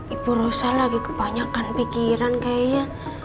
ibu rosa lagi kebanyakan pikiran kayaknya